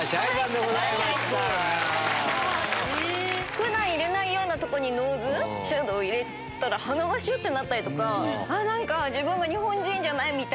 普段入れないとこにノーズシャドー入れたら鼻がシュってなったりとか自分が日本人じゃないみたい。